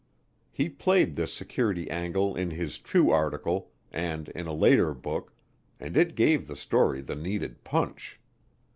He played this security angle in his True article and in a later book, and it gave the story the needed punch.